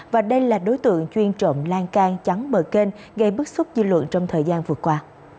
và đây là đối tượng chuyên trộm lan can chắn bờ kênh gây bức xúc dư luận trong thời gian vừa qua